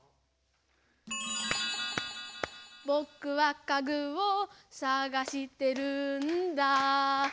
「ぼくは家ぐをさがしてるんだ」